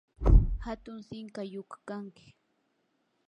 hatun sinqayuq kanki.